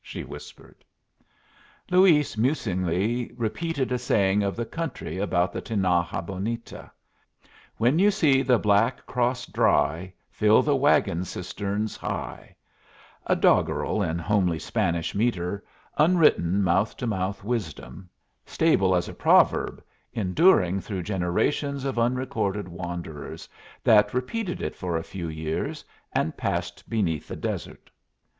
she whispered. Luis musingly repeated a saying of the country about the Tinaja Bonita, "'When you see the Black Cross dry, Fill the wagon cisterns high'" a doggerel in homely Spanish metre, unwritten mouth to mouth wisdom, stable as a proverb, enduring through generations of unrecorded wanderers, that repeated it for a few years, and passed beneath the desert.